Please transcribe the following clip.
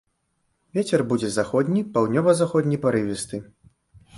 Вецер будзе заходні, паўднёва-заходні парывісты.